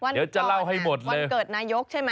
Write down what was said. เดี๋ยวจะเล่าให้หมดวันเกิดนายกใช่ไหม